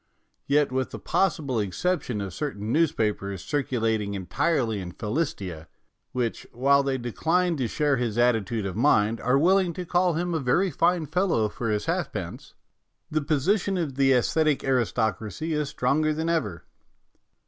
Yet, with the possible exception of certain newspapers circulating entirely in Philistia, which, while they decline to share his attitude of mind, are willing to call him a very fine fellow for his halfpence, the posi tion of the aesthetic aristocracy is stronger 166 MONOLOGUES than ever.